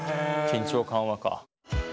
緊張緩和か。